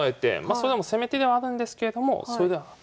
それでも攻め手ではあるんですけれどもそれでは。